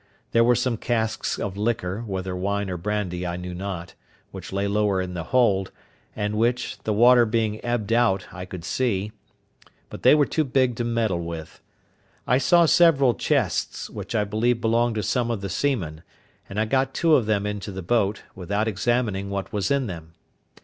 There were some casks of liquor, whether wine or brandy I knew not, which lay lower in the hold, and which, the water being ebbed out, I could see; but they were too big to meddle with. I saw several chests, which I believe belonged to some of the seamen; and I got two of them into the boat, without examining what was in them.